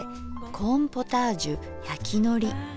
コーンポタージュやきのり。